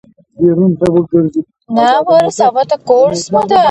• صداقت د رزق سبب کیږي.